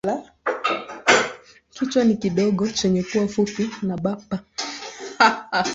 Kichwa ni kidogo chenye pua fupi na bapa.